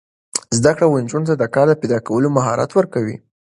زده کړه ښځو ته د کار پیدا کولو مهارت ورکوي.